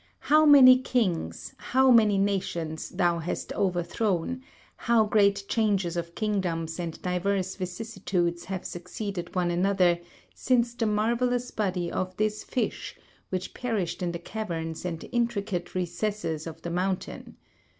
How many kings, how many nations, thou hast overthrown, how great changes of kingdoms and diverse vicissitudes have succeeded one another, since the marvellous body of this fish, which perished in the caverns and intricate recesses [of the mountain].